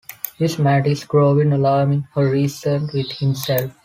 ‘This matter is growing alarming,’ he reasoned with himself.